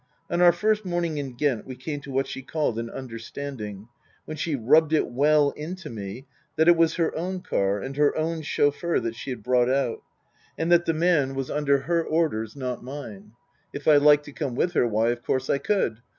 On our first morning in Ghent we came to what she called an understanding, when she rubbed it well into me that it was her own car and her own chauffeur that she had brought out, and that the man was under 304 Tasker Jevons her orders, not mine. If I liked to come with her, why, of course I could.